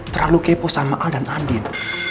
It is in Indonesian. terlalu kepo sama al dan adin